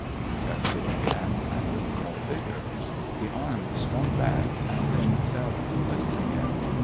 He touched it again, and with more vigor. The arm swung back, and then fell into place again.